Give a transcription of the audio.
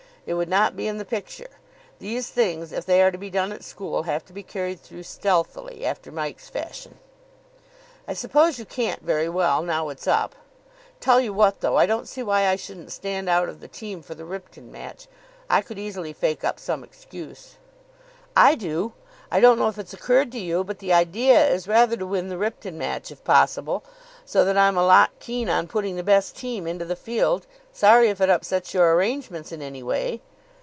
It would not be in the picture. These things, if they are to be done at school, have to be carried through stealthily, after Mike's fashion. "I suppose you can't very well, now it's up. Tell you what, though, I don't see why I shouldn't stand out of the team for the Ripton match. I could easily fake up some excuse." "I do. I don't know if it's occurred to you, but the idea is rather to win the Ripton match, if possible. So that I'm a lot keen on putting the best team into the field. Sorry if it upsets your arrangements in any way."